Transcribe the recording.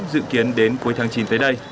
dự kiến đến cuối tháng chín tới đây